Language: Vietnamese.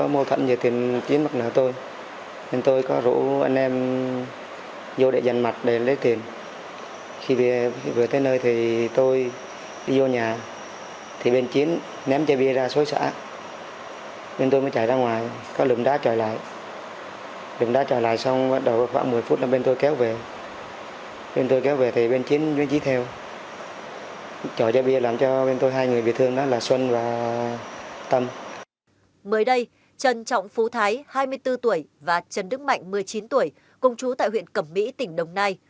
mới đây trần trọng phú thái hai mươi bốn tuổi và trần đức mạnh một mươi chín tuổi cùng chú tại huyện cẩm mỹ tỉnh đồng nai